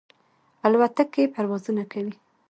الوتکې پروازونه کوي.